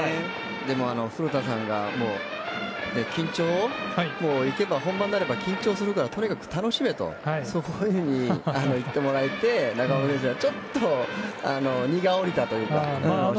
あと、古田さんが本番になれば緊張するからとにかく楽しめと言ってもらえて中村選手はちょっと肩の荷が下りたというか。